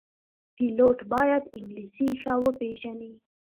پیلوټ باید انګلیسي ښه وپېژني.